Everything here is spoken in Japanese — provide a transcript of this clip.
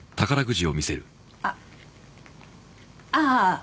あっああ